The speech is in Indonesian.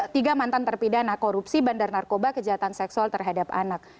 tiga mantan terpidana korupsi bandar narkoba kejahatan seksual terhadap anak